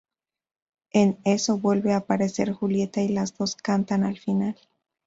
En eso vuelve a aparecer Julieta y las dos cantan al final.